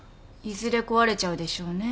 いずれ壊れちゃうでしょうね